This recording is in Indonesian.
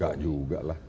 nggak juga lah